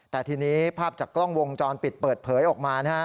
แต่ทีนี้ภาพจากกล้องวงจรปิดเปิดเผยออกมานะฮะ